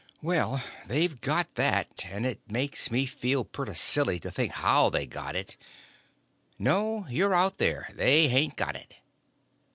"Well, they've got that; and it makes me feel pretty silly to think how they got it." "No, you're out, there. They hain't got it."